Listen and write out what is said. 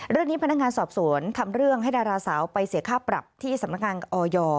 พนักงานสอบสวนทำเรื่องให้ดาราสาวไปเสียค่าปรับที่สำนักงานออย